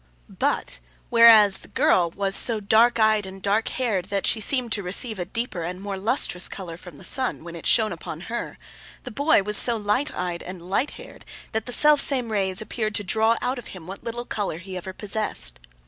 But, whereas the girl was so dark eyed and dark haired, that she seemed to receive a deeper and more lustrous colour from the sun, when it shone upon her, the boy was so light eyed and light haired that the self same rays appeared to draw out of him what little colour he ever possessed.